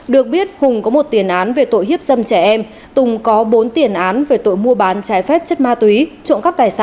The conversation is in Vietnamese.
được biết hùng có một tiền án về tội hiếp dâm trẻ em tùng có bốn tiền án về tội mua bán trái phép chất ma túy trộn cắp tài sản và cướp sở tài sản